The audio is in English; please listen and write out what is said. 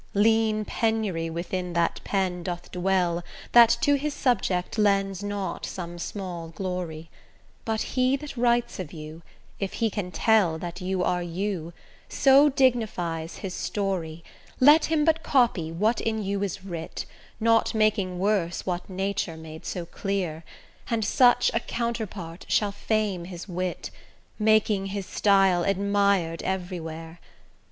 Lean penury within that pen doth dwell That to his subject lends not some small glory; But he that writes of you, if he can tell That you are you, so dignifies his story, Let him but copy what in you is writ, Not making worse what nature made so clear, And such a counterpart shall fame his wit, Making his style admired every where.